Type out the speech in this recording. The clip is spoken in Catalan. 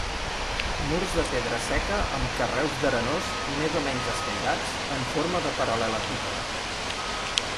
Murs de pedra seca amb carreus d'arenós més o menys escairats, en forma de paral·lelepípede.